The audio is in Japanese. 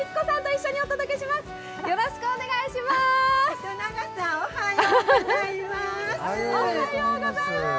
糸永さんおはようございます。